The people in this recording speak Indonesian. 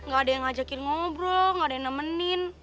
gak ada yang ngajakin ngobrol nggak ada yang nemenin